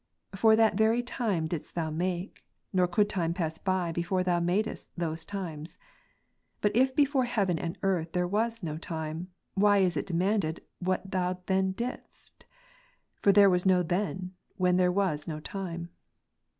For that very time didst Thou make, nor could times pass by, before Thou madest those times. But if before heaven and earth there was no time^ why is it demanded, what Thou then didst ? For there was no " then," when there was no time.